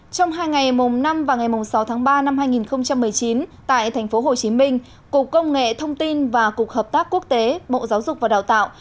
trong hai ngày mùng năm và ngày mùng sáu tháng ba năm hai nghìn một mươi chín tại tp hcm cục công nghệ thông tin và cục hợp tác quốc tế bộ giáo dục và đào tạo